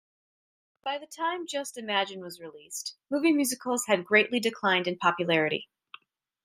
By the time "Just Imagine" was released, movie musicals had greatly declined in popularity.